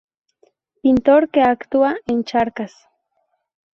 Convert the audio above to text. Pintor que actúa en Charcas.